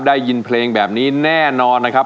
ได้ยินเพลงแบบนี้แน่นอนนะครับ